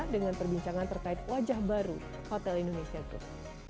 dengan perbincangan terkait wajah baru hotel indonesia group